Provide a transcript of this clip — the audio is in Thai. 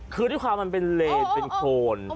คือที่ข้ามันเป็นเลนเป็นโครน